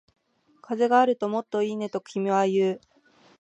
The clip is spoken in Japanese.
風があるともっといいね、と君は言う